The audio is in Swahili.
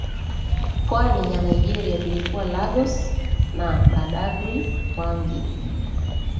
pwani ya Nigeria vilikuwa Lagos na Badagry Wangi